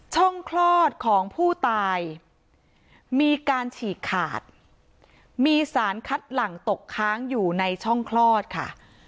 คลอดของผู้ตายมีการฉีกขาดมีสารคัดหลังตกค้างอยู่ในช่องคลอดค่ะ